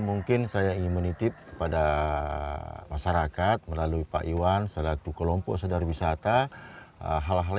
mungkin saya ingin menitip kepada masyarakat melalui pak iwan selaku kelompok sadar wisata hal hal